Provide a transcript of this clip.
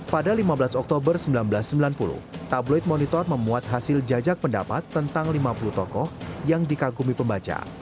pada lima belas oktober seribu sembilan ratus sembilan puluh tabloid monitor memuat hasil jajak pendapat tentang lima puluh tokoh yang dikagumi pembaca